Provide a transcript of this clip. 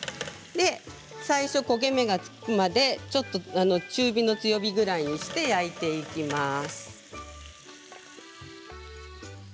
最初、焦げ目がつくまでちょっと中火の強火ぐらいにして焼いていきます。